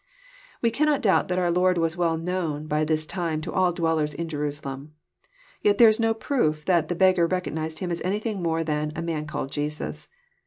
We cannot donbt that our Lord was well known by this time to all dwellers in Jerusalem. Yet there is no proof that the beggar recognized Him as anything more than *' a man called Jesns."